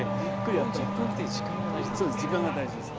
４０分という時間が大事なんですね。